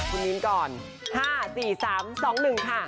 คุณมิ้นก่อน๕๔๓๒๑ค่ะ